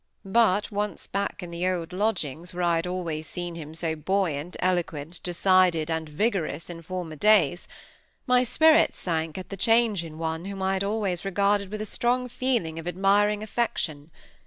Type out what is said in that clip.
But, once back in the old lodgings, where I had always seen him so buoyant, eloquent, decided, and vigorous in former days, my spirits sank at the change in one whom I had always regarded with a strong feeling of admiring affection.